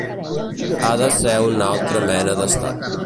Ha de ser un altra mena d’estat.